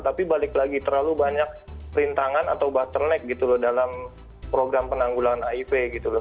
tapi balik lagi terlalu banyak rintangan atau bottleneck gitu loh dalam program penanggulan hiv gitu loh